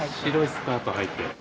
白いスカートはいて。